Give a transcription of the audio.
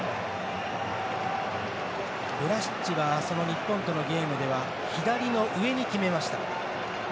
ブラシッチはその日本とのゲームでは左の上に決めました。